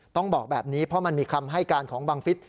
ต้องบอกแบบนี้เพราะมันมีคำให้การของบังฟิศ